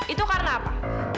itu karena apa